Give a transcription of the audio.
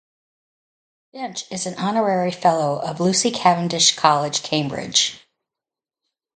Dench is an Honorary Fellow of Lucy Cavendish College, Cambridge.